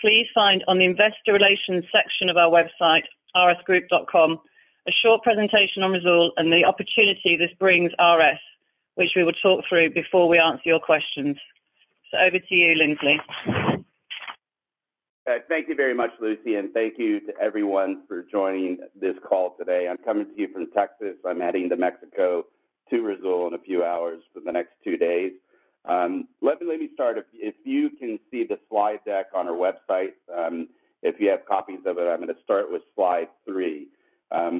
Please find on the investor relations section of our website, rsgroup.com, a short presentation on Risoul and the opportunity this brings RS, which we will talk through before we answer your questions. Over to you, Lindsley. Thank you very much, Lucy, and thank you to everyone for joining this call today. I'm coming to you from Texas. I'm heading to Mexico to Risoul in a few hours for the next two days. Let me start. If you can see the slide deck on our website, if you have copies of it, I'm going to start with slide three,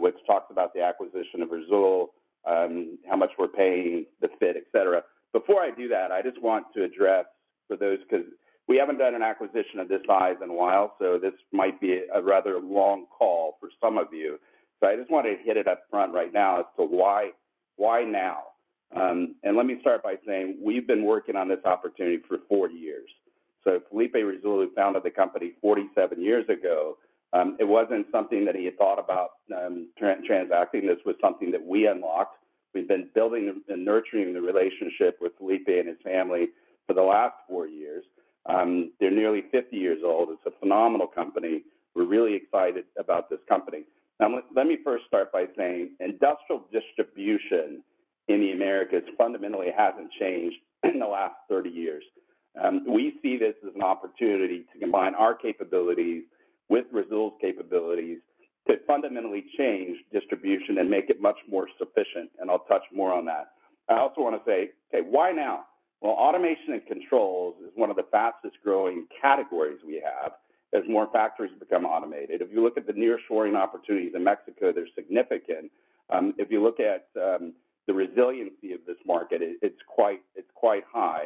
which talks about the acquisition of Risoul, how much we're paying, the fit, etc. Before I do that, I just want to address for those, because we haven't done an acquisition of this size in a while, so this might be a rather long call for some of you. I just want to hit it up front right now as to why now? Let me start by saying we've been working on this opportunity for four years. Felipe Risoul founded the company 47 years ago. It wasn't something that he had thought about, transacting. This was something that we unlocked. We've been building and nurturing the relationship with Felipe Risoul and his family for the last four years. They're nearly 50 years old. It's a phenomenal company. We're really excited about this company. Now let me first start by saying industrial distribution in the Americas fundamentally hasn't changed in the last 30 years. We see this as an opportunity to combine our capabilities with Risoul's capabilities to fundamentally change distribution and make it much more efficient. I'll touch more on that. I also want to say, why now? Well, automation and controls is one of the fastest-growing categories we have as more factories become automated. If you look at the nearshoring opportunities in Mexico, they're significant. If you look at the resiliency of this market, it's quite high.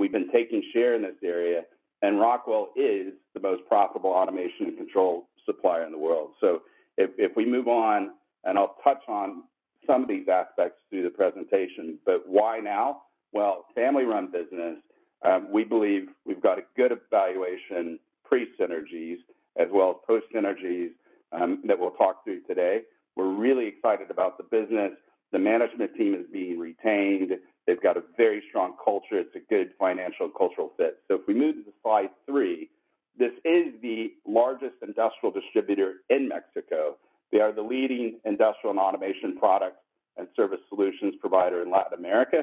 We've been taking share in this area, and Rockwell Automation is the most profitable automation and control supplier in the world. If we move on, and I'll touch on some of these aspects through the presentation, but why now? Well, family-run business, we believe we've got a good valuation, pre-synergies, as well as post-synergies, that we'll talk through today. We're really excited about the business. The management team is being retained. They've got a very strong culture. It's a good financial and cultural fit. If we move to slide three, this is the largest industrial distributor in Mexico. They are the leading industrial and automation product and service solutions provider in Latin America.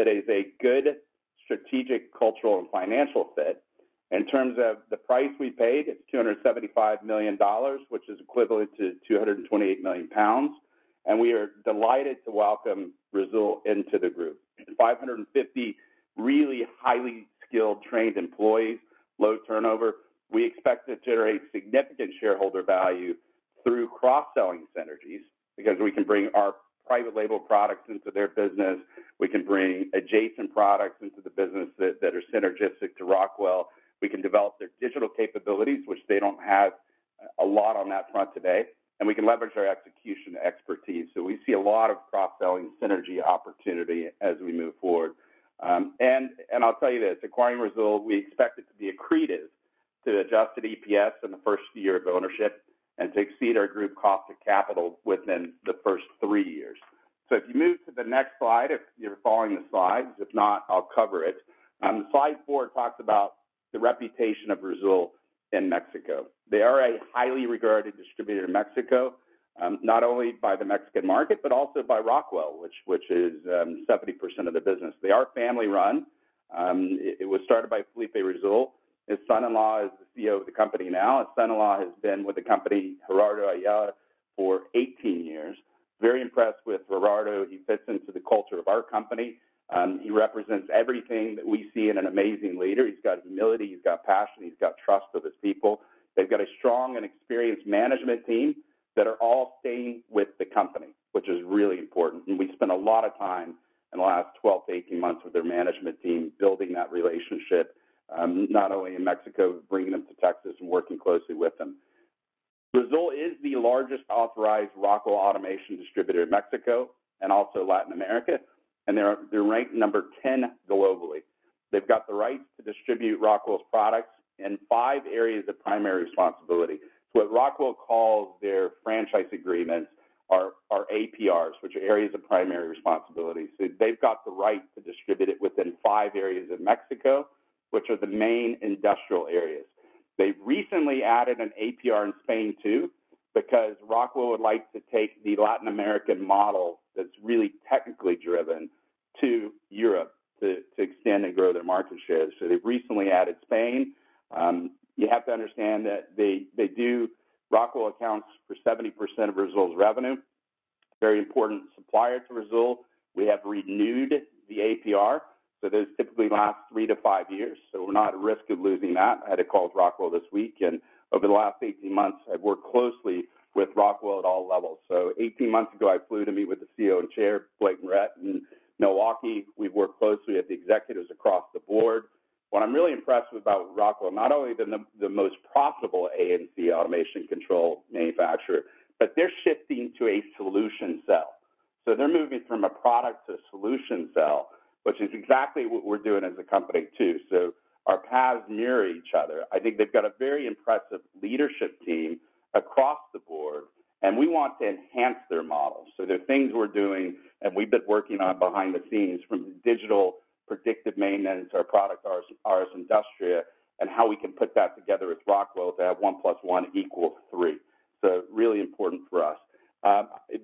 It is a good strategic, cultural, and financial fit. In terms of the price we paid, it's $275 million, which is equivalent to 228 million pounds. We are delighted to welcome Risoul into the group. 550 really highly skilled trained employees, low turnover. We expect to generate significant shareholder value through cross-selling synergies because we can bring our private label products into their business. We can bring adjacent products into the business that are synergistic to Rockwell. We can develop their digital capabilities, which they don't have a lot on that front today, and we can leverage our execution expertise. We see a lot of cross-selling synergy opportunity as we move forward. I'll tell you this, acquiring Risoul, we expect it to be accretive to adjusted EPS in the first year of ownership and to exceed our group cost of capital within the first three years. If you move to the next slide, if you're following the slides, if not, I'll cover it. Slide four talks about the reputation of Risoul in Mexico. They are a highly regarded distributor in Mexico, not only by the Mexican market, but also by Rockwell, which is 70% of the business. They are family-run. It was started by Felipe Risoul. His son-in-law is the CEO of the company now. His son-in-law has been with the company, Gerardo Ayala, for 18 years. Very impressed with Gerardo. He fits into the culture of our company. He represents everything that we see in an amazing leader. He's got humility, he's got passion, he's got trust with his people. They've got a strong and experienced management team that are all staying with the company, which is really important. We spent a lot of time in the last 12-18 months with their management team building that relationship, not only in Mexico, bringing them to Texas and working closely with them. Risoul is the largest authorized Rockwell Automation distributor in Mexico and also Latin America, and they're ranked number 10 globally. They've got the right to distribute Rockwell's products in five areas of primary responsibility. What Rockwell calls their franchise agreements are APRs, which are Areas of Primary Responsibility. They've got the right to distribute it within five areas of Mexico, which are the main industrial areas. They've recently added an APR in Spain, too, because Rockwell would like to take the Latin American model that's really technically driven to Europe to extend and grow their market share. They've recently added Spain. You have to understand that they do Rockwell accounts for 70% of Risoul's revenue. Very important supplier to Risoul. We have renewed the APR. Those typically last three to five years, so we're not at risk of losing that. I had a call with Rockwell this week, and over the last 18 months, I've worked closely with Rockwell at all levels. 18 months ago, I flew to meet with the CEO and chair, Blake Moret in Milwaukee. We've worked closely with the executives across the board. What I'm really impressed with about Rockwell, not only are they the most profitable A&C automation control manufacturer, but they're shifting to a solution sell. They're moving from a product to solution sell, which is exactly what we're doing as a company, too. Our paths mirror each other. I think they've got a very impressive leadership team across the board, and we want to enhance their model. There are things we're doing and we've been working on behind the scenes from digital predictive maintenance, our product, RS Industria, and how we can put that together with Rockwell to have one plus one equal three. Really important for us.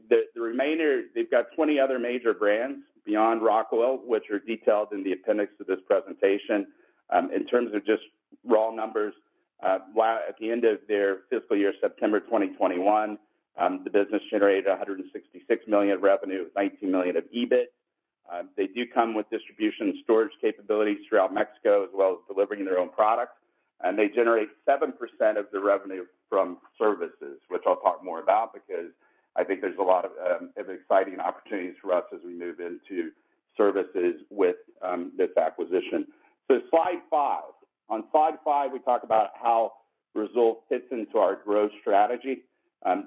The remainder, they've got 20 other major brands beyond Rockwell, which are detailed in the appendix of this presentation. In terms of just raw numbers, at the end of their fiscal year, September 2021, the business generated $166 million revenue, $19 million of EBIT. They do come with distribution storage capabilities throughout Mexico, as well as delivering their own products. They generate 7% of the revenue from services, which I'll talk more about because I think there's a lot of exciting opportunities for us as we move into services with this acquisition. Slide five. On slide five, we talk about how Risoul fits into our growth strategy.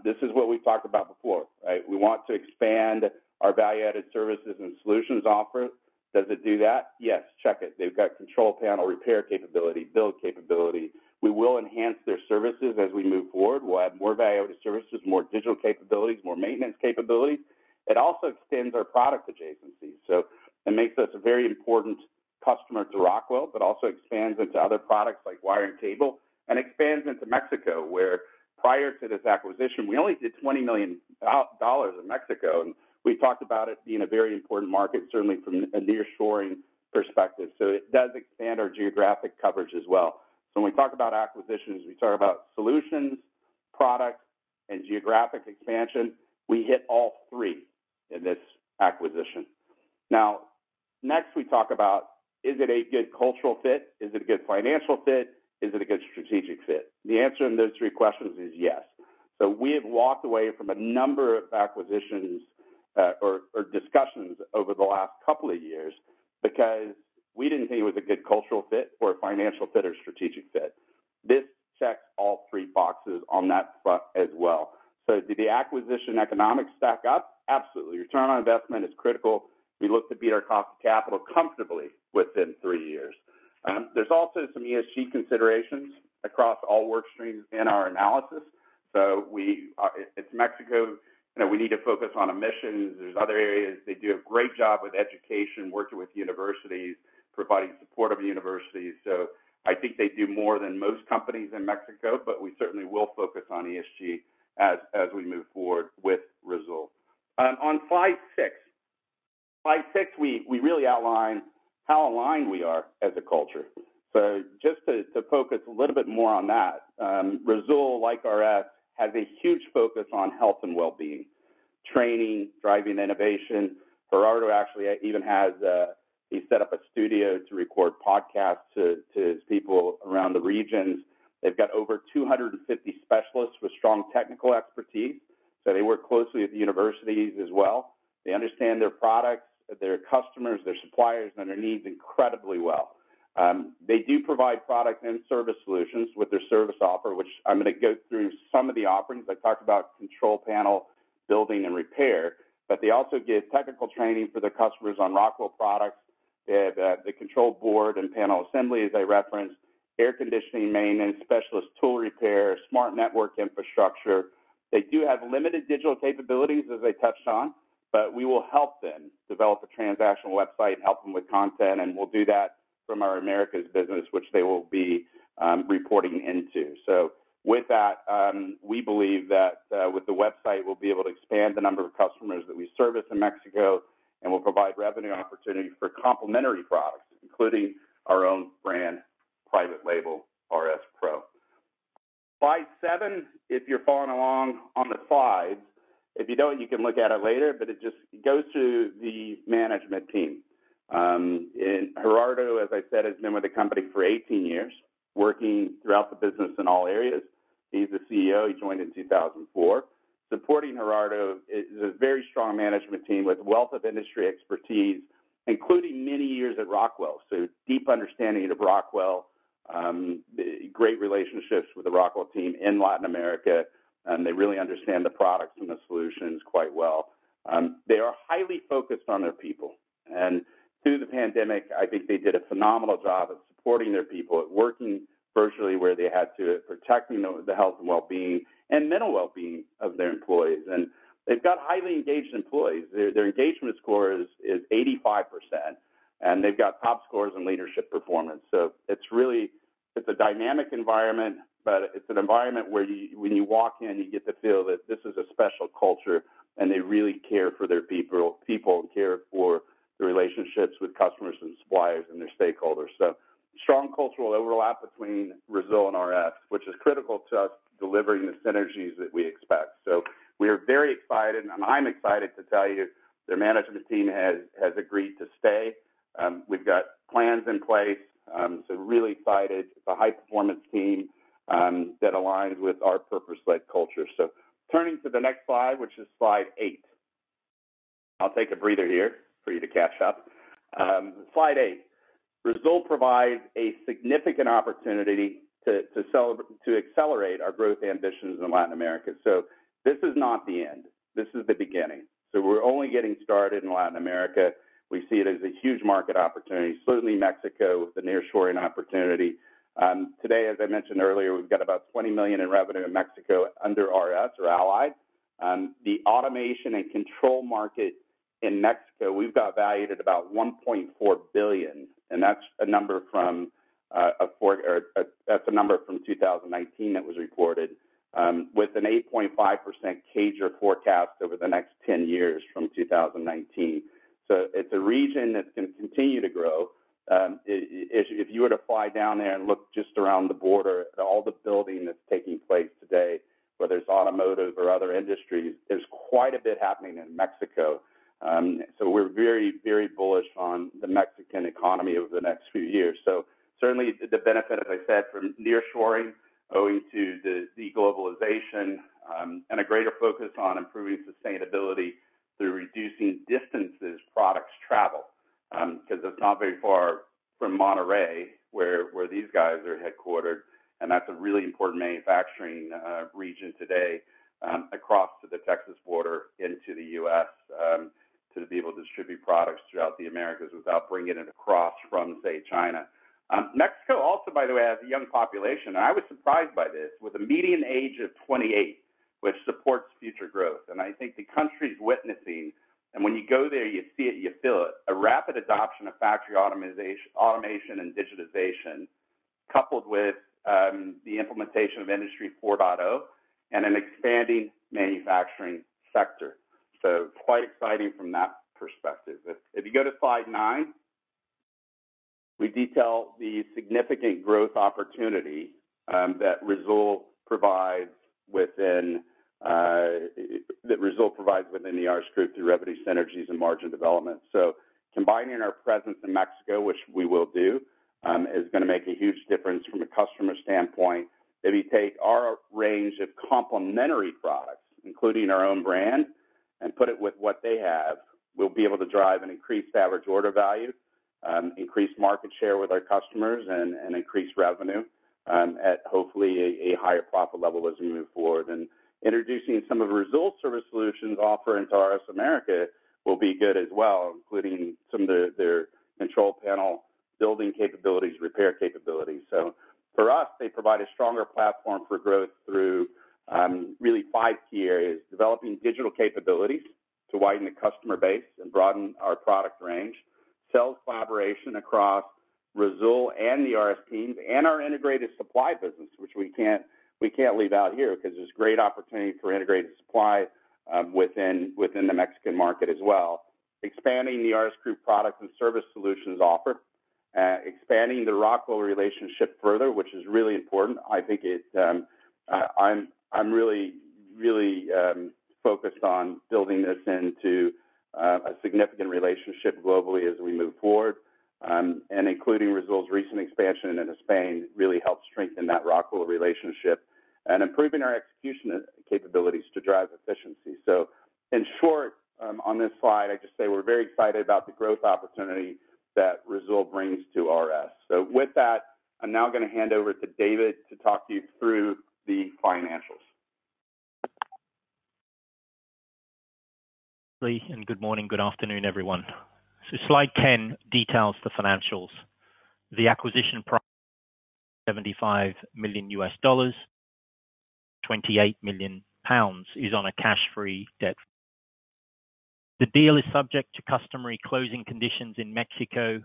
This is what we talked about before, right? We want to expand our value-added services and solutions offer. Does it do that? Yes. Check it. They've got control panel repair capability, build capability. We will enhance their services as we move forward. We'll add more value-added services, more digital capabilities, more maintenance capabilities. It also extends our product adjacencies. It makes us a very important customer to Rockwell, but also expands into other products like wire and cable, and expands into Mexico, where prior to this acquisition, we only did $20 million in Mexico. We talked about it being a very important market, certainly from a nearshoring perspective. It does expand our geographic coverage as well. When we talk about acquisitions, we talk about solutions, products, and geographic expansion. We hit all three in this acquisition. Now, next, we talk about, is it a good cultural fit? Is it a good financial fit? Is it a good strategic fit? The answer in those three questions is yes. We have walked away from a number of acquisitions or discussions over the last couple of years because we didn't think it was a good cultural fit or a financial fit or strategic fit. This checks all three boxes on that front as well. Do the acquisition economics stack up? Absolutely. Return on investment is critical. We look to beat our cost of capital comfortably within three years. There's also some ESG considerations across all work streams in our analysis. It's Mexico, you know, we need to focus on emissions. There's other areas. They do a great job with education, working with universities, providing support of universities. I think they do more than most companies in Mexico, but we certainly will focus on ESG as we move forward with Risoul. On slide six. Slide six, we really outline how aligned we are as a culture. Just to focus a little bit more on that, Risoul, like RS, has a huge focus on health and well-being, training, driving innovation. Gerardo actually even has set up a studio to record podcasts to his people around the regions. They've got over 250 specialists with strong technical expertise, so they work closely with the universities as well. They understand their products, their customers, their suppliers, and their needs incredibly well. They do provide product and service solutions with their service offer, which I'm gonna go through some of the offerings. I talked about control panel building and repair, but they also give technical training for their customers on Rockwell products. They have the control board and panel assembly, as I referenced, air conditioning maintenance, specialist tool repair, smart network infrastructure. They do have limited digital capabilities, as I touched on, but we will help them develop a transactional website, help them with content, and we'll do that from our Americas business, which they will be reporting into. With that, we believe that with the website, we'll be able to expand the number of customers that we service in Mexico, and we'll provide revenue opportunity for complementary products, including our own brand private label, RS Pro. Slide seven, if you're following along on the slides. If you don't, you can look at it later, but it just goes to the management team. Gerardo, as I said, has been with the company for 18 years, working throughout the business in all areas. He's the CEO. He joined in 2004. Supporting Gerardo is a very strong management team with wealth of industry expertise, including many years at Rockwell. Deep understanding of Rockwell, great relationships with the Rockwell team in Latin America, and they really understand the products and the solutions quite well. They are highly focused on their people. Through the pandemic, I think they did a phenomenal job of supporting their people, working virtually where they had to, protecting the health and well-being and mental well-being of their employees. They've got highly engaged employees. Their engagement score is 85%, and they've got top scores in leadership performance. It's really, it's a dynamic environment, but it's an environment where you, when you walk in, you get the feel that this is a special culture, and they really care for their people and care for the relationships with customers and suppliers and their stakeholders. Strong cultural overlap between Risoul and RS, which is critical to us delivering the synergies that we expect. We're very excited, and I'm excited to tell you their management team has agreed to stay. We've got plans in place, really excited. It's a high-performance team that aligns with our purpose-led culture. Turning to the next slide, which is slide eight. I'll take a breather here for you to catch up. Slide eight. Risoul provides a significant opportunity to accelerate our growth ambitions in Latin America. This is not the end. This is the beginning. We're only getting started in Latin America. We see it as a huge market opportunity, certainly Mexico with the nearshoring opportunity. Today, as I mentioned earlier, we've got about $20 million in revenue in Mexico under RS or Allied. The automation and control market in Mexico we've got valued at about $1.4 billion, and that's a number from 2019 that was reported, with an 8.5% CAGR forecast over the next 10 years from 2019. It's a region that's gonna continue to grow. If you were to fly down there and look just around the border at all the building that's taking place today, whether it's automotive or other industries, there's quite a bit happening in Mexico. We're very, very bullish on the Mexican economy over the next few years. Certainly the benefit, as I said, from nearshoring owing to the globalization, and a greater focus on improving sustainability through reducing distances products travel, 'cause it's not very far from Monterrey where these guys are headquartered. That's a really important manufacturing region today, across to the Texas border into the U.S., to be able to distribute products throughout the Americas without bringing it across from, say, China. Mexico also, by the way, has a young population, and I was surprised by this. With a median age of 28, which supports future growth. I think the country's witnessing, and when you go there, you see it, you feel it, a rapid adoption of factory automation and digitization, coupled with the implementation of Industry 4.0 and an expanding manufacturing sector. Quite exciting from that perspective. If you go to slide nine, we detail the significant growth opportunity that Risoul provides within the RS Group through revenue synergies and margin development. Combining our presence in Mexico, which we will do, is gonna make a huge difference from a customer standpoint. If you take our range of complementary products, including our own brand, and put it with what they have, we'll be able to drive an increased average order value, increase market share with our customers and increase revenue, at hopefully a higher profit level as we move forward. Introducing some of Risoul service solutions offering to RS America will be good as well, including some of their control panel building capabilities, repair capabilities. For us, they provide a stronger platform for growth through really five key areas. Developing digital capabilities to widen the customer base and broaden our product range. Sales collaboration across Risoul and the RS teams and our integrated supply business, which we can't leave out here 'cause there's great opportunity for integrated supply, within the Mexican market as well. Expanding the RS Group products and service solutions offer. Expanding the Rockwell relationship further, which is really important. I'm really focused on building this into a significant relationship globally as we move forward. Including Risoul's recent expansion into Spain really helps strengthen that Rockwell relationship. Improving our execution capabilities to drive efficiency. In short, on this slide, I just say we're very excited about the growth opportunity that Risoul brings to RS. With that, I'm now gonna hand over to David to talk you through the financials. Good morning, good afternoon, everyone. Slide 10 details the financials. The acquisition price, $75 million. 28 million pounds is on a cash-free, debt-free basis. The deal is subject to customary closing conditions in Mexico,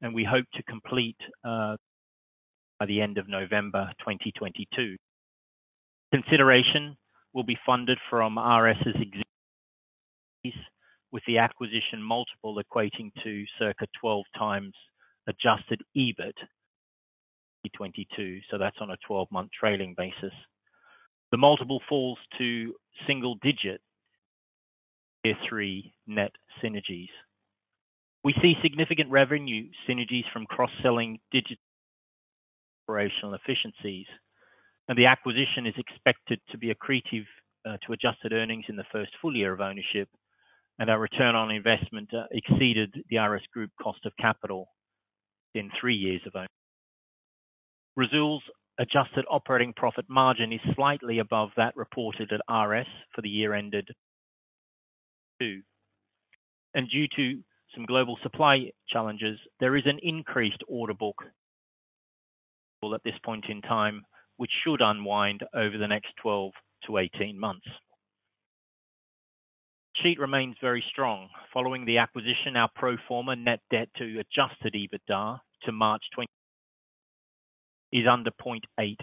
and we hope to complete by the end of November 2022. Consideration will be funded from RS's existing cash with the acquisition multiple equating to circa 12x adjusted EBIT 2022. That's on a 12-month trailing basis. The multiple falls to single digits year three net synergies. We see significant revenue synergies from cross-selling digits, operational efficiencies, and the acquisition is expected to be accretive to adjusted earnings in the first full year of ownership. Our return on investment exceeded the RS Group cost of capital within three years of ownership. Risoul's adjusted operating profit margin is slightly above that reported at RS for the year ended 2022. Due to some global supply challenges, there is an increased order book at this point in time, which should unwind over the next 12-18 months. Balance sheet remains very strong. Following the acquisition, our pro forma net debt to adjusted EBITDA to March 2020 is under 0.8x,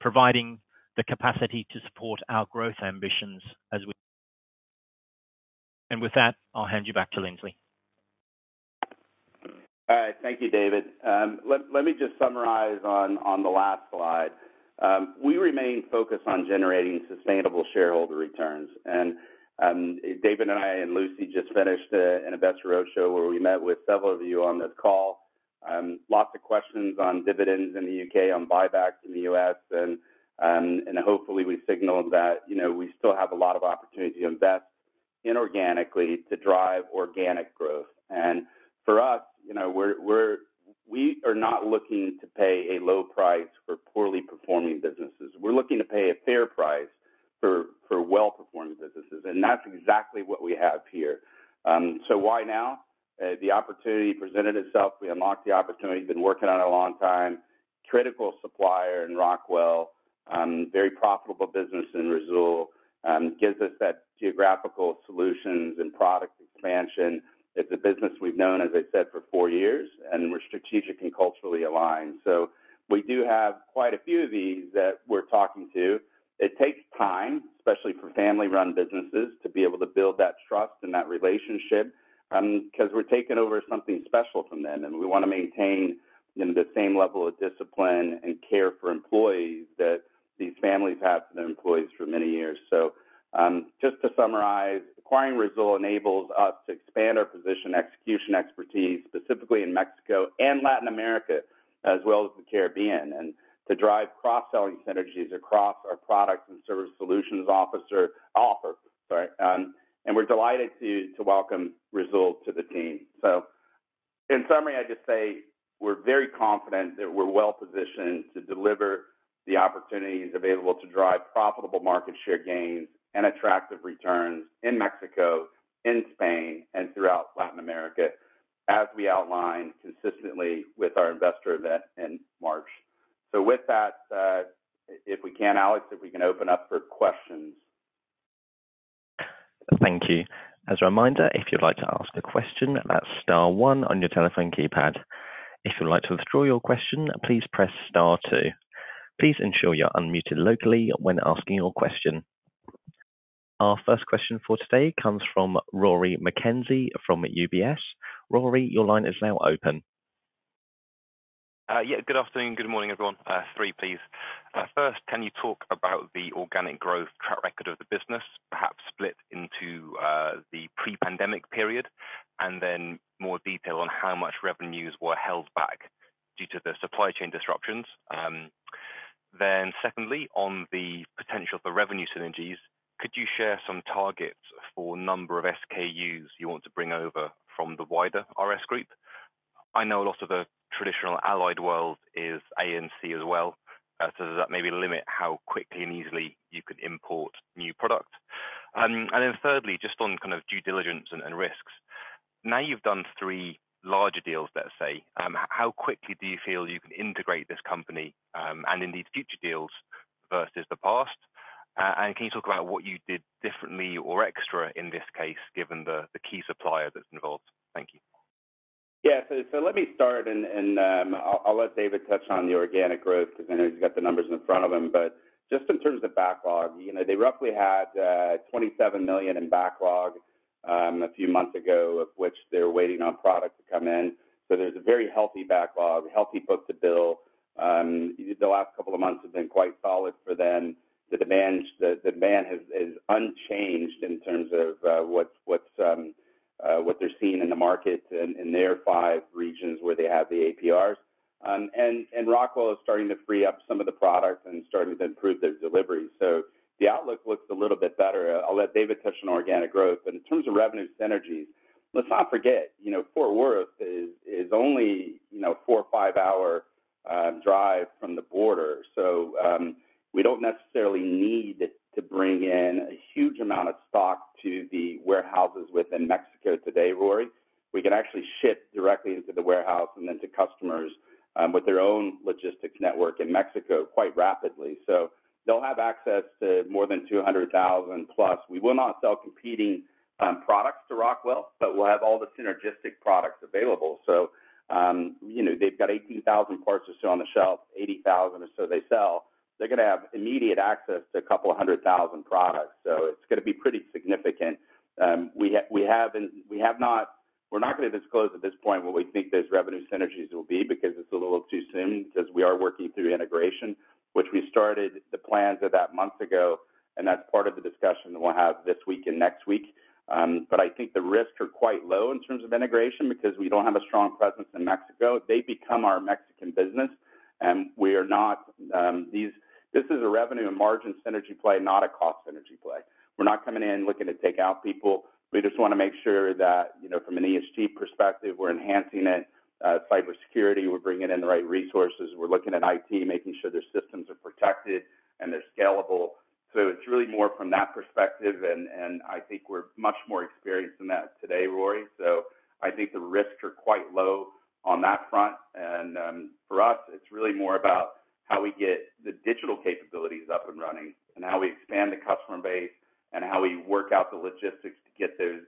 providing the capacity to support our growth ambitions. With that, I'll hand you back to Lindsley. All right. Thank you, David. Let me just summarize on the last slide. We remain focused on generating sustainable shareholder returns. David and I and Lucy just finished an investor roadshow where we met with several of you on this call. Lots of questions on dividends in the U.K., on buybacks in the U.S.. Hopefully we signaled that, you know, we still have a lot of opportunity to invest inorganically to drive organic growth. For us, you know, we are not looking to pay a low price for poorly performing businesses. We're looking to pay a fair price for well-performing businesses, and that's exactly what we have here. Why now? The opportunity presented itself. We unlocked the opportunity. Been working on it a long time. Critical supplier in Rockwell, very profitable business in Risoul, gives us that geographical solutions and product expansion. It's a business we've known, as I said, for four years, and we're strategic and culturally aligned. We do have quite a few of these that we're talking to. It takes time, especially for family-run businesses, to be able to build that trust and that relationship, 'cause we're taking over something special from them, and we wanna maintain the same level of discipline and care for employees that these families have for their employees for many years. Just to summarize, acquiring Risoul enables us to expand our position, execution, expertise, specifically in Mexico and Latin America, as well as the Caribbean, and to drive cross-selling synergies across our products and service solutions offer, sorry, and we're delighted to welcome Risoul to the team. In summary, I just say we're very confident that we're well-positioned to deliver the opportunities available to drive profitable market share gains and attractive returns in Mexico, in Spain, and throughout Latin America, as we outlined consistently with our investor event in March. With that, Alex, if we can open up for questions. Thank you. As a reminder, if you'd like to ask a question, that's star one on your telephone keypad. If you'd like to withdraw your question, please press star two. Please ensure you're unmuted locally when asking your question. Our first question for today comes from Rory McKenzie from UBS. Rory, your line is now open. Yeah, good afternoon. Good morning, everyone. Three, please. First, can you talk about the organic growth track record of the business, perhaps split into the pre-pandemic period, and then more detail on how much revenues were held back due to the supply chain disruptions. Then secondly, on the potential for revenue synergies, could you share some targets for number of SKUs you want to bring over from the wider RS Group? I know a lot of the traditional Allied world is A&C as well, so does that maybe limit how quickly and easily you could import new product? And then thirdly, just on kind of due diligence and risks. Now, you've done three larger deals, let's say. How quickly do you feel you can integrate this company, and in these future deals vs the past? Can you talk about what you did differently or extra in this case, given the key supplier that's involved? Thank you. Let me start and I'll let David touch on the organic growth 'cause I know he's got the numbers in front of him. Just in terms of backlog, you know, they roughly had $27 million in backlog a few months ago, of which they're waiting on product to come in. There's a very healthy backlog, healthy book-to-bill. The last couple of months have been quite solid for them. The demand is unchanged in terms of what they're seeing in the market in their five regions where they have the APRs. Rockwell is starting to free up some of the products and starting to improve their delivery. The outlook looks a little bit better. I'll let David touch on organic growth. In terms of revenue synergies, let's not forget, you know, Fort Worth is only, you know, four- or five-hour drive from the border. We don't necessarily need to bring in a huge amount of stock to the warehouses within Mexico today, Rory. We can actually ship directly into the warehouse and then to customers with their own logistics network in Mexico quite rapidly. They'll have access to more than 200,000 plus. We will not sell competing products to Rockwell, but we'll have all the synergistic products available. You know, they've got 18,000 parts or so on the shelf, 80,000 or so they sell. They're gonna have immediate access to a couple hundred thousand products. It's gonna be pretty significant. We're not gonna disclose at this point what we think those revenue synergies will be because it's a little too soon because we are working through integration, which we started the plans of that months ago, and that's part of the discussion that we'll have this week and next week. I think the risks are quite low in terms of integration because we don't have a strong presence in Mexico. They become our Mexican business, and we are not. This is a revenue and margin synergy play, not a cost synergy play. We're not coming in looking to take out people. We just wanna make sure that, you know, from an ESG perspective, we're enhancing it. Cybersecurity, we're bringing in the right resources. We're looking at IT, making sure their systems are protected and they're scalable. It's really more from that perspective and I think we're much more experienced in that today, Rory. I think the risks are quite low on that front. For us, it's really more about how we get the digital capabilities up and running and how we expand the customer base and how we work out the logistics to get those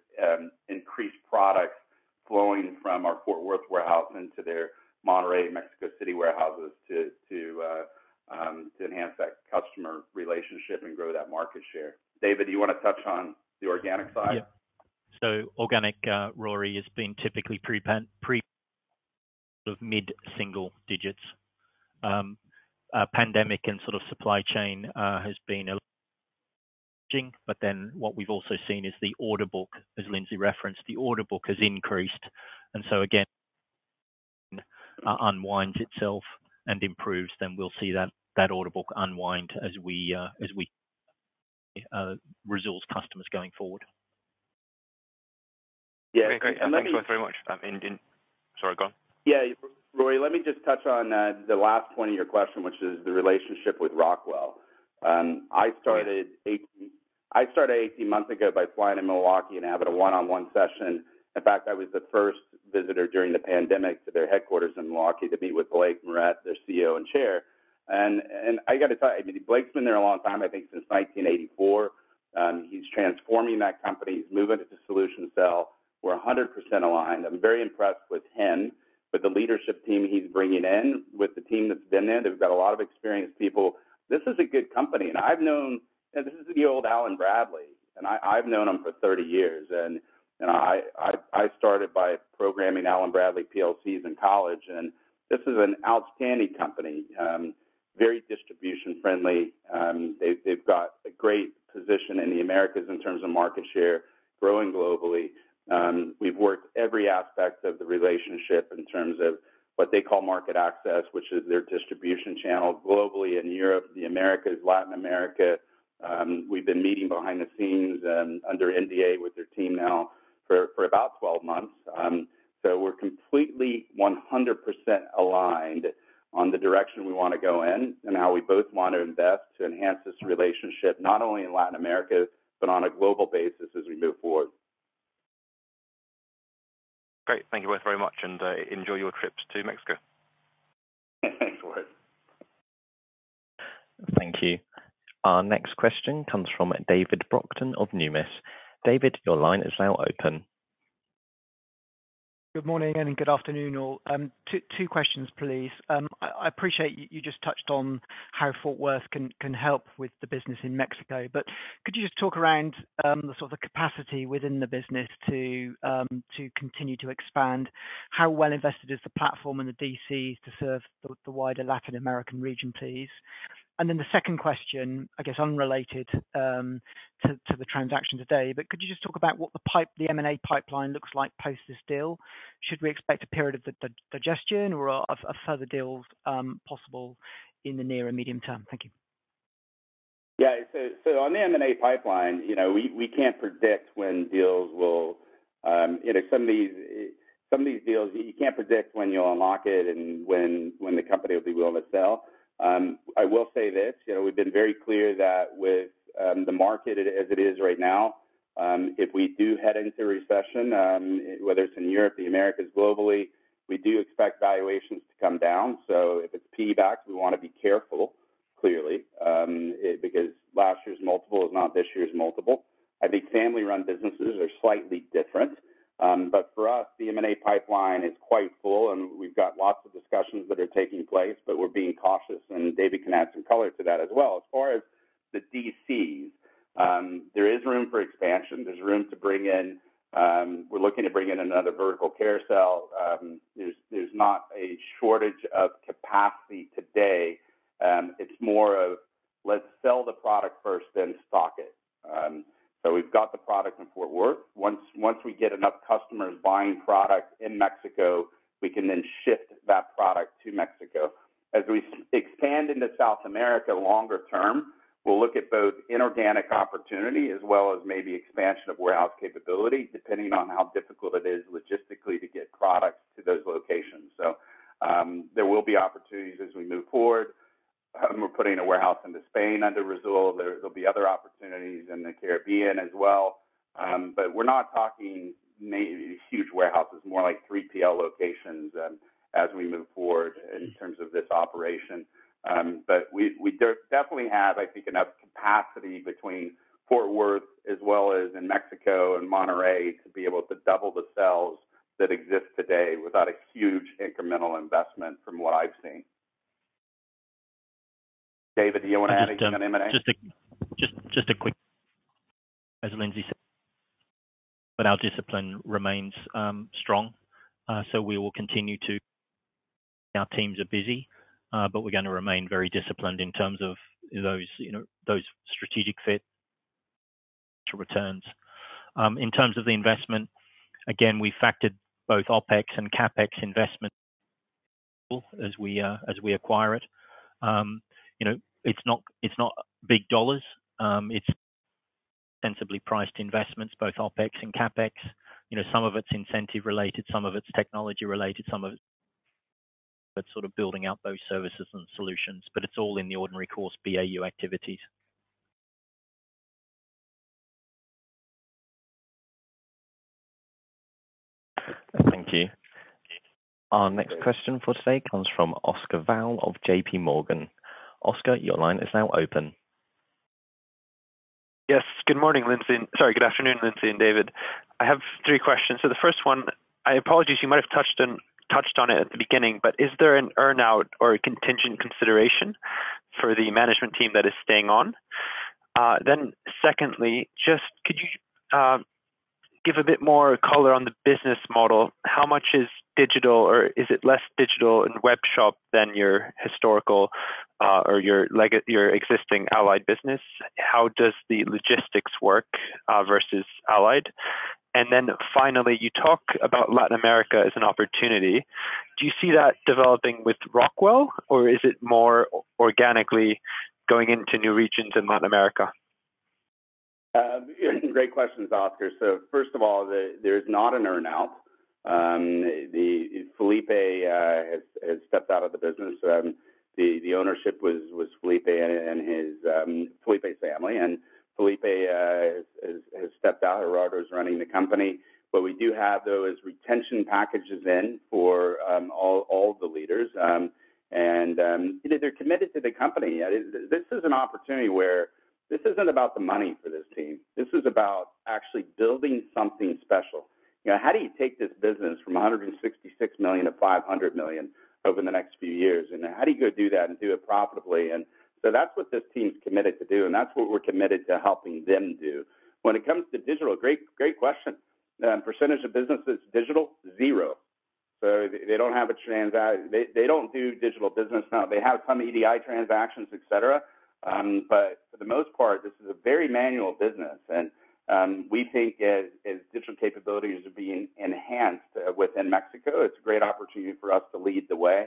increased products flowing from our Fort Worth warehouse into their Monterrey and Mexico City warehouses to enhance that customer relationship and grow that market share. David, do you wanna touch on the organic side? Yeah. Organic, Rory, has been typically pre of mid-single digits. Pandemic and sort of supply chain has been a lot. What we've also seen is the order book, as Lindsley referenced, the order book has increased. Again, unwinds itself and improves, then we'll see that order book unwind as we resolve customers going forward. Yeah. Great. Thank you very much. Sorry, go on. Yeah. Rory, let me just touch on the last point of your question, which is the relationship with Rockwell. I started 18 months ago by flying to Milwaukee and having a one-on-one session. In fact, I was the first visitor during the pandemic to their headquarters in Milwaukee to meet with Blake Moret, their CEO and chair. I got to tell you, I mean, Blake's been there a long time, I think since 1984. He's transforming that company. He's moving it to solution sale. We're 100% aligned. I'm very impressed with him, with the leadership team he's bringing in, with the team that's been there. They've got a lot of experienced people. This is a good company. I've known this is the old Allen-Bradley, and I've known them for 30 years. I started by programming Allen-Bradley PLCs in college, and this is an outstanding company. Very distribution friendly. They've got a great position in the Americas in terms of market share, growing globally. We've worked every aspect of the relationship in terms of what they call market access, which is their distribution channel globally in Europe, the Americas, Latin America. We've been meeting behind the scenes and under NDA with their team now for about 12 months. We're completely 100% aligned on the direction we wanna go in and how we both want to invest to enhance this relationship, not only in Latin America, but on a global basis as we move forward. Great. Thank you both very much, and enjoy your trips to Mexico. Thanks a lot. Thank you. Our next question comes from David Brockton of Numis. David, your line is now open. Good morning and good afternoon all. Two questions, please. I appreciate you just touched on how Fort Worth can help with the business in Mexico, but could you just talk around the sort of capacity within the business to continue to expand? How well invested is the platform and the DCs to serve the wider Latin American region, please? And then the second question, I guess unrelated to the transaction today, but could you just talk about what the M&A pipeline looks like post this deal? Should we expect a period of digestion or are of further deals possible in the near and medium term? Thank you. Yeah. On the M&A pipeline, you know, we can't predict when deals will. You know, some of these deals, you can't predict when you'll unlock it and when the company will be willing to sell. I will say this, you know, we've been very clear that with the market as it is right now, if we do head into recession, whether it's in Europe, the Americas globally, we do expect valuations to come down. If it's PE-backed, we want to be careful, clearly, because last year's multiple is not this year's multiple. I think family-run businesses are slightly different. But for us, the M&A pipeline is quite full, and we've got lots of discussions that are taking place, but we're being cautious, and David can add some color to that as well. As far as the DCs, there is room for expansion. There's room to bring in. We're looking to bring in another vertical carousel. There's not a shortage of capacity today. It's more of let's sell the product first, then stock it. We've got the product in Fort Worth. Once we get enough customers buying product in Mexico, we can then shift that product to Mexico. As we expand into South America longer term, we'll look at both inorganic opportunity as well as maybe expansion of warehouse capability, depending on how difficult it is logistically to get products to those locations. There will be opportunities as we move forward. We're putting a warehouse into Spain under Risoul. There'll be other opportunities in the Caribbean as well. We're not talking huge warehouses, more like 3PL locations, as we move forward in terms of this operation. We definitely have, I think, enough capacity between Fort Worth as well as in Mexico and Monterrey to be able to double the sales that exist today without a huge incremental investment from what I've seen. David, do you wanna add anything on M&A? Just a quick. As Lindsley said, but our discipline remains strong. Our teams are busy, but we're gonna remain very disciplined in terms of those, you know, those strategic fit to returns. In terms of the investment, again, we factored both OpEx and CapEx investments as we acquire it. You know, it's not big dollars. It's sensibly priced investments, both OpEx and CapEx. You know, some of it's incentive related, some of it's technology related, some of it, but sort of building out those services and solutions. But it's all in the ordinary course BAU activities. Thank you. Our next question for today comes from Oscar Val of JPMorgan. Oscar, your line is now open. Yes. Good morning, Lindsley. Sorry. Good afternoon, Lindsley and David. I have three questions. The first one, I apologize, you might have touched on it at the beginning, but is there an earn-out or a contingent consideration for the management team that is staying on? Then secondly, just could you give a bit more color on the business model? How much is digital or is it less digital in webshop than your historical or your existing Allied business? How does the logistics work vs Allied? Then finally, you talk about Latin America as an opportunity. Do you see that developing with Rockwell, or is it more organically going into new regions in Latin America? Great questions, Oscar. First of all, there's not an earn-out. Felipe has stepped out of the business. The ownership was Felipe and his family. Felipe has stepped out. Gerardo is running the company. We do have those retention packages in for all the leaders. You know, they're committed to the company. This is an opportunity where this isn't about the money for this team. This is about actually building something special. You know, how do you take this business from $166 million to $500 million over the next few years? How do you go do that and do it profitably? That's what this team's committed to do, and that's what we're committed to helping them do. When it comes to digital, great question. Percentage of business that's digital, zero. They don't do digital business. They have some EDI transactions, et cetera. But for the most part, this is a very manual business. We think as digital capabilities are being enhanced within Mexico, it's a great opportunity for us to lead the way.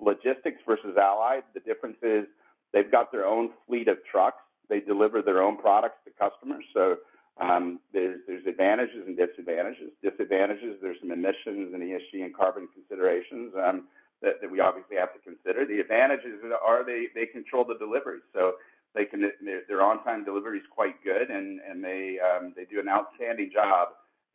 Logistics vs Allied, the difference is they've got their own fleet of trucks. They deliver their own products to customers. There's advantages and disadvantages. Disadvantages, there's some emissions and ESG and carbon considerations that we obviously have to consider. The advantages are they control the deliveries. Their on-time delivery is quite good and they do an outstanding job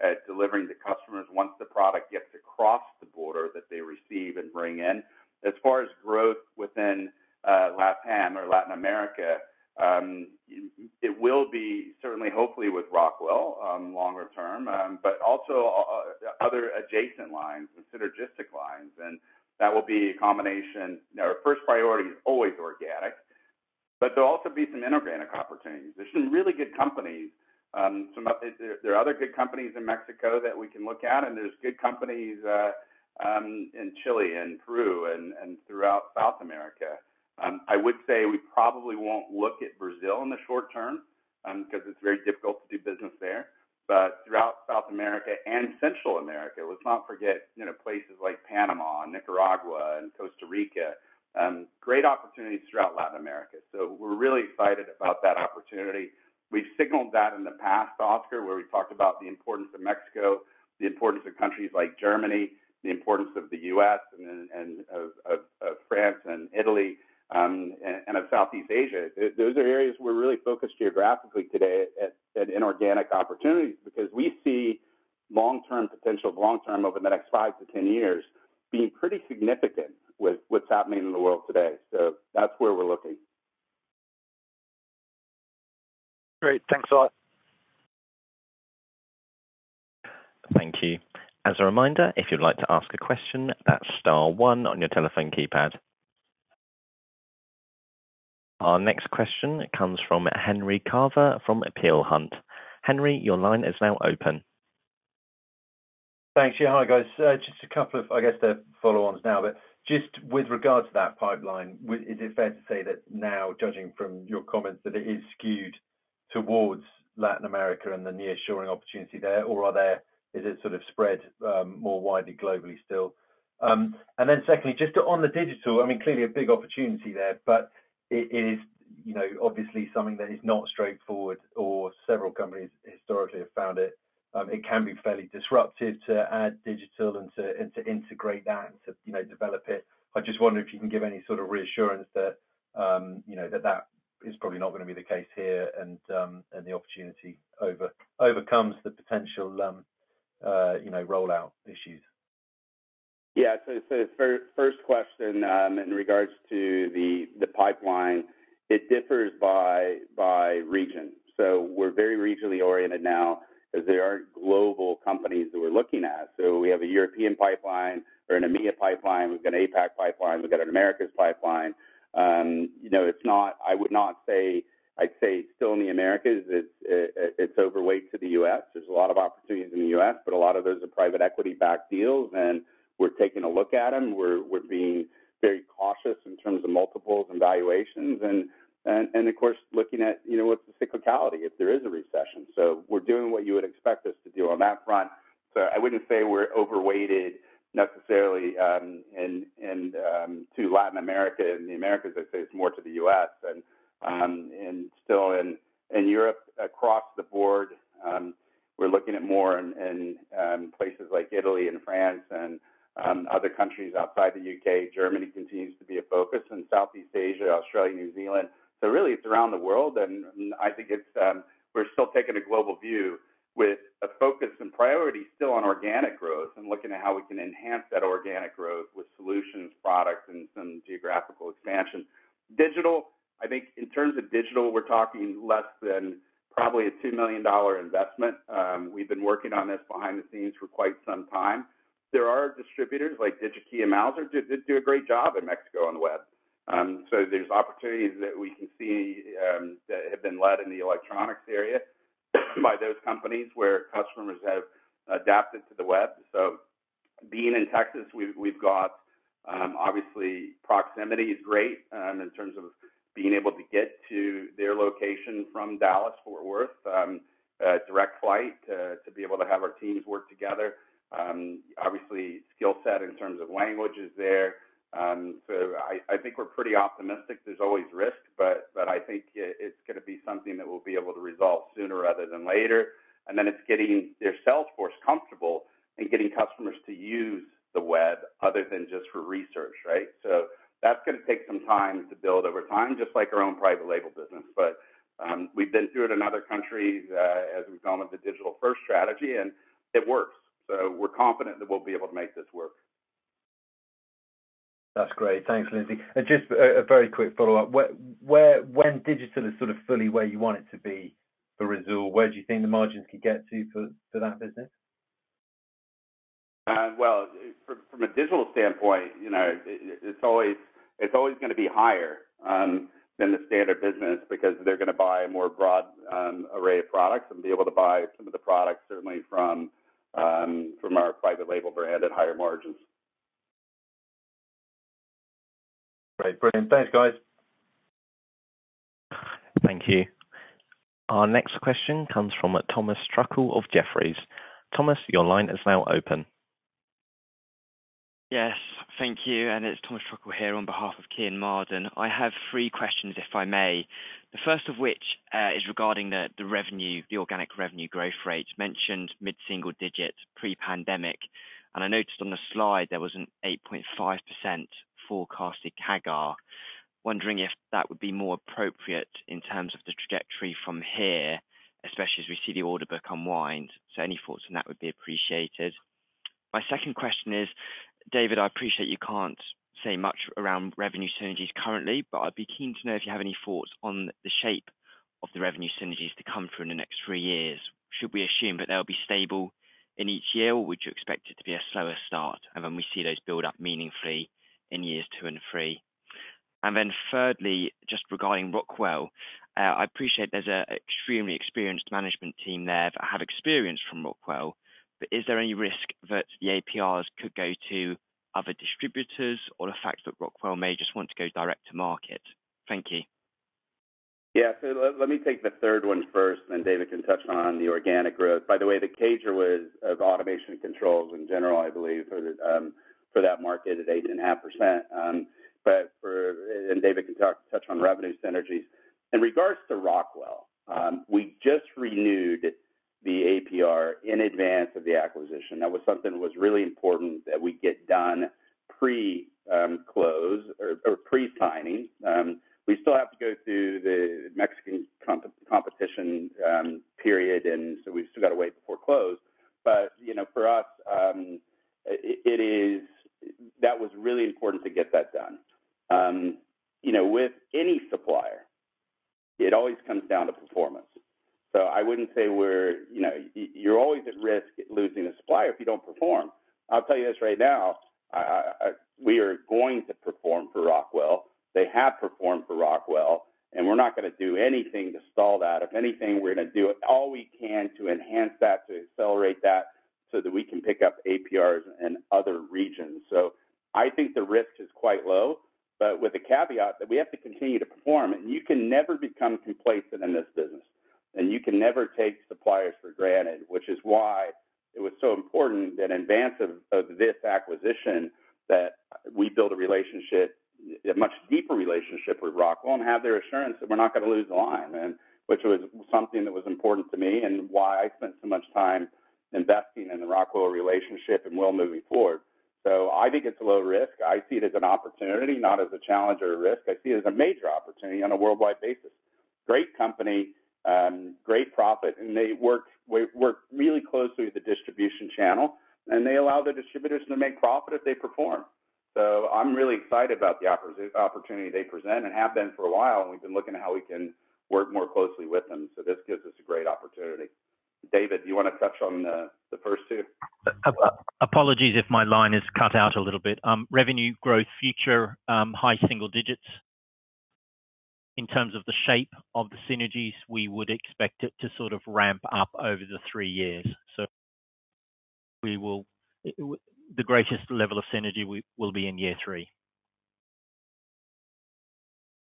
at delivering to customers once the product gets across the border that they receive and bring in. As far as growth within Latin America, it will be certainly hopefully with Rockwell longer term. Other adjacent lines and synergistic lines, and that will be a combination. You know, our first priority is always organic, but there'll also be some inorganic opportunities. There's some really good companies. There are other good companies in Mexico that we can look at, and there's good companies in Chile and Peru and throughout South America. I would say we probably won't look at Brazil in the short term, 'cause it's very difficult to do business there. Throughout South America and Central America, let's not forget, you know, places like Panama and Nicaragua and Costa Rica, great opportunities throughout Latin America. We're really excited about that opportunity. We've signaled that in the past, Oscar, where we talked about the importance of Mexico, the importance of countries like Germany, the importance of the U.S. and of France and Italy, and of Southeast Asia. Those are areas we're really focused geographically today at inorganic opportunities because we see long-term potential, long-term over the next five to 10 years, being pretty significant with what's happening in the world today. That's where we're looking. Great. Thanks a lot. Thank you. As a reminder, if you'd like to ask a question, that's star one on your telephone keypad. Our next question comes from Henry Carver from Peel Hunt. Henry, your line is now open. Thanks. Yeah. Hi, guys. Just a couple of, I guess, the follow-ons now. Just with regards to that pipeline, is it fair to say that now, judging from your comments, that it is skewed towards Latin America and the nearshoring opportunity there? Or is it sort of spread more widely globally still? And then secondly, just on the digital, I mean, clearly a big opportunity there, but it is, you know, obviously something that is not straightforward or several companies historically have found it can be fairly disruptive to add digital and to integrate that and to, you know, develop it. I just wonder if you can give any sort of reassurance that, you know, that is probably not gonna be the case here and the opportunity overcomes the potential, you know, rollout issues. Yeah. First question, in regards to the pipeline, it differs by region. We're very regionally oriented now as there are global companies that we're looking at. We have a European pipeline or an EMEIA pipeline. We've got an APAC pipeline. We've got an Americas pipeline. You know, I would not say it's still in the Americas, it's overweight to the U.S.. There's a lot of opportunities in the U.S., but a lot of those are private equity-backed deals, and we're taking a look at them. We're being very cautious in terms of multiples and valuations and, of course, looking at, you know, what's the cyclicality if there is a recession. We're doing what you would expect us to do on that front. I wouldn't say we're overweighted necessarily in to Latin America. In the Americas, I'd say it's more to the U.S. than and still in Europe, across the board, we're looking at more in places like Italy and France and other countries outside the U.K. Germany continues to be a focus. In Southeast Asia, Australia, New Zealand. Really it's around the world. I think it's, we're still taking a global view with a focus and priority still on organic growth and looking at how we can enhance that organic growth with solutions, products and some geographical expansion. Digital, I think in terms of digital, we're talking less than probably a $2 million investment. We've been working on this behind the scenes for quite some time. There are distributors like Digi-Key and Mouser that do a great job in Mexico on the web. There's opportunities that we can see that have been led in the electronics area by those companies where customers have adapted to the web. Being in Texas, we've got obviously proximity is great in terms of being able to get to their location from Dallas-Fort Worth, a direct flight to be able to have our teams work together. Obviously skill set in terms of language is there. I think we're pretty optimistic. There's always risk, but I think it's gonna be something that we'll be able to resolve sooner rather than later. Then it's getting their sales force comfortable and getting customers to use the web other than just for research, right? That's gonna take some time to build over time, just like our own private label business. We've been through it in other countries, as we've gone with the digital first strategy, and it works. We're confident that we'll be able to make this work. That's great. Thanks, Lindsley. Just a very quick follow-up. When digital is sort of fully where you want it to be for Risoul, where do you think the margins could get to for that business? Well, from a digital standpoint, you know, it's always gonna be higher than the standard business because they're gonna buy a more broad array of products and be able to buy some of the products certainly from our private label brand at higher margins. Great. Brilliant. Thanks, guys. Thank you. Our next question comes from Thomas Sheridan of Jefferies. Thomas, your line is now open. Yes. Thank you. It's Thomas Sheridan here on behalf of Kean Marden. I have three questions, if I may. The first of which is regarding the organic revenue growth rates mentioned mid-single digit pre-pandemic. I noticed on the slide there was an 8.5% forecasted CAGR. Wondering if that would be more appropriate in terms of the trajectory from here, especially as we see the order book unwind. Any thoughts on that would be appreciated. My second question is, David, I appreciate you can't say much around revenue synergies currently, but I'd be keen to know if you have any thoughts on the shape of the revenue synergies to come through in the next three years. Should we assume that they'll be stable in each year, or would you expect it to be a slower start? We see those build up meaningfully in years two and three. Thirdly, just regarding Rockwell, I appreciate there's an extremely experienced management team there that have experience from Rockwell, but is there any risk that the APRs could go to other distributors or the fact that Rockwell may just want to go direct to market? Thank you. Yeah. Let me take the third one first, and then David can touch on the organic growth. By the way, the CAGR was of automation controls in general, I believe, for that market at 8.5%. David can touch on revenue synergies. In regard to Rockwell, we just renewed the APR in advance of the acquisition. That was something that was really important that we get done pre-close or pre-signing. We still have to go through the The greatest level of synergy will be in year three.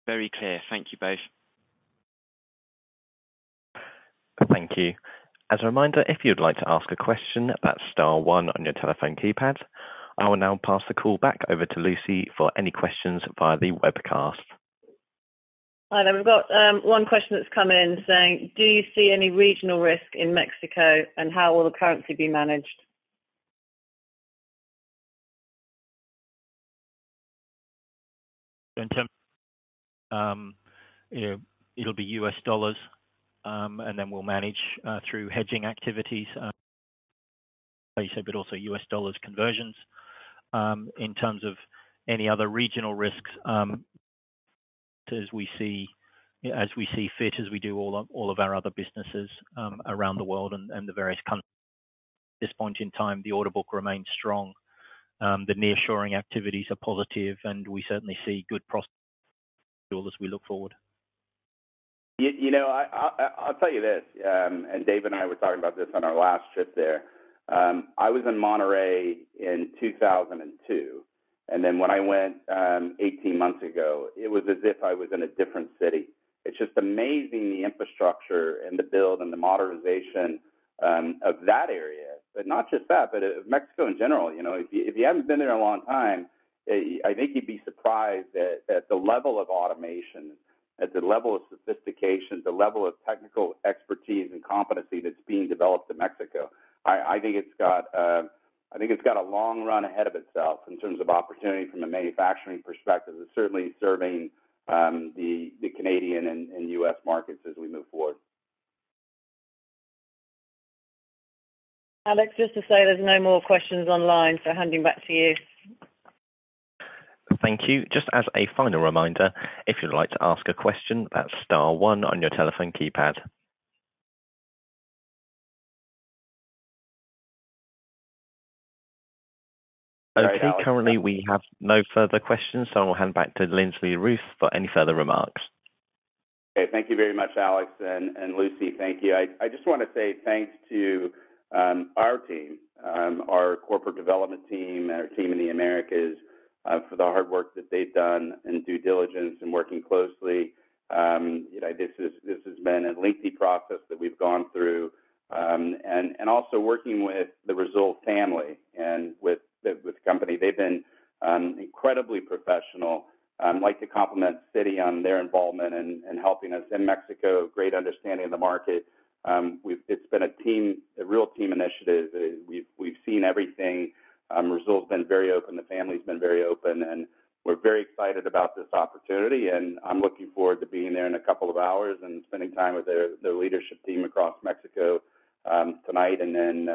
Very clear. Thank you both. Thank you. As a reminder, if you'd like to ask a question, that's star one on your telephone keypad. I will now pass the call back over to Lucy for any questions via the webcast. Hi there. We've got one question that's come in saying, do you see any regional risk in Mexico, and how will the currency be managed? In terms, you know, it'll be U.S. dollars, and then we'll manage through hedging activities. Also U.S. dollars conversions, in terms of any other regional risks, as we see fit, as we do all of our other businesses, around the world and the various countries. At this point in time, the order book remains strong. The nearshoring activities are positive, and we certainly see good prospects as we look forward. You know, I'll tell you this, Dave and I were talking about this on our last trip there. I was in Monterrey in 2002, and then when I went 18 months ago, it was as if I was in a different city. It's just amazing, the infrastructure and the build and the modernization of that area. Not just that, Mexico in general. You know, if you haven't been there in a long time, I think you'd be surprised at the level of automation, at the level of sophistication, the level of technical expertise and competency that's being developed in Mexico. I think it's got a long run ahead of itself in terms of opportunity from a manufacturing perspective. It's certainly serving the Canadian and U.S. markets as we move forward. Alex, just to say there's no more questions online, so handing back to you. Thank you. Just as a final reminder, if you'd like to ask a question, that's star one on your telephone keypad. All right, Alex. Okay. Currently, we have no further questions, so I'll hand back to Lindsley Ruth for any further remarks. Okay. Thank you very much, Alex and Lucy. Thank you. I just wanna say thanks to our team, our corporate development team and our team in the Americas, for the hard work that they've done in due diligence and working closely. You know, this has been a lengthy process that we've gone through. Also working with the Risoul family and with the company. They've been incredibly professional. I'd like to compliment Citi on their involvement in helping us in Mexico. Great understanding of the market. It's been a team, a real team initiative. We've seen everything. Risoul's been very open. The family's been very open, and we're very excited about this opportunity, and I'm looking forward to being there in a couple of hours and spending time with the leadership team across Mexico tonight, and then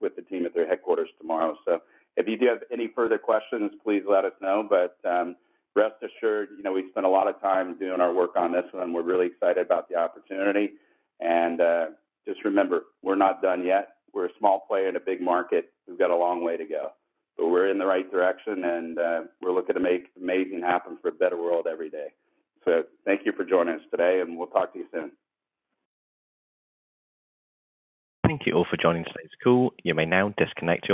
with the team at their headquarters tomorrow. If you do have any further questions, please let us know. Rest assured, you know, we spent a lot of time doing our work on this, and we're really excited about the opportunity. Just remember, we're not done yet. We're a small player in a big market. We've got a long way to go. We're in the right direction, and we're looking to make amazing happen for a better world every day. Thank you for joining us today, and we'll talk to you soon. Thank you all for joining today's call. You may now disconnect your lines.